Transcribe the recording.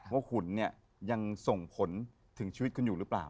ขุนเนี่ยยังส่งผลถึงชีวิตคุณอยู่หรือเปล่า